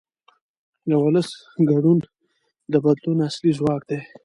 د ولس ګډون د بدلون اصلي ځواک دی